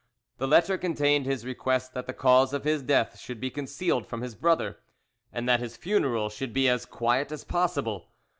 The letter contained his request that the cause of his death should be concealed from his brother, and that his funeral should be as quiet as possible.